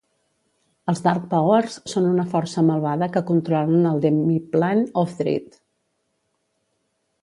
Els Dark Powers són una força malvada que controlen el Demiplane of Dread.